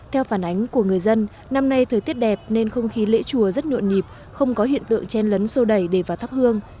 theo phản ánh của người dân năm nay thời tiết đẹp nên không khí lễ chùa rất nhộn nhịp không có hiện tượng chen lấn sô đẩy để vào thắp hương